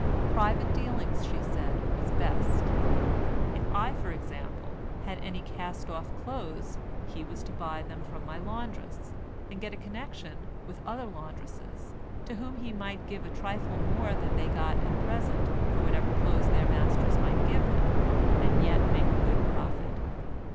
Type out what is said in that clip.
Private dealing, she said, was best. If I, for example, had any cast off clothes, he was to buy them from my laundress, and get a connection with other laundresses, to whom he might give a trifle more than they got at present for whatever clothes their masters might give them, and yet make a good profit.